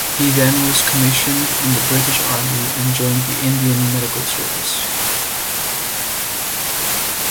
He then was commissioned in the British Army and joined the Indian Medical Service.